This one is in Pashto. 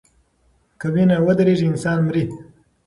که وینه ودریږي انسان مري.